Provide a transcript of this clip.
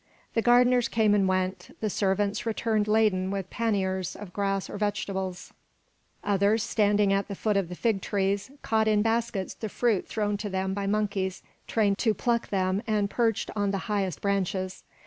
The gardeners came and went, the servants returned laden with panniers of grass or vegetables; others, standing at the foot of the fig trees, caught in baskets the fruits thrown to them by monkeys trained to pluck them and perched on the highest branches.